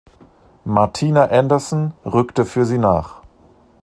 Martina Anderson rückte für sie nach.